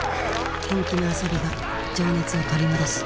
本気の遊びが情熱を取り戻す。